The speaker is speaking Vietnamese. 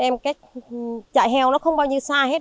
em cách chạy heo nó không bao nhiêu xa hết